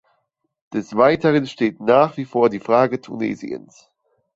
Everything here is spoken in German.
Des Weiteren steht nach wie vor die Frage Tunesiens.